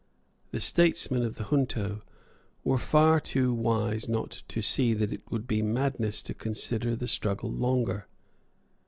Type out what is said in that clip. The statesmen of the junto were far too wise not to see that it would be madness to continue the struggle longer.